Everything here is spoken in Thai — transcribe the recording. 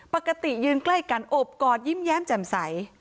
ปกติยืนใกล้กันอบกอดยิ้มแย้มแจ่มใส